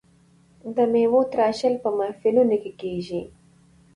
د میوو تراشل په محفلونو کې کیږي.